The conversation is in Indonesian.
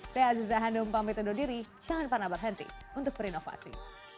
saya aziza hanum pamit undur diri jangan pernah berhenti untuk berinovasi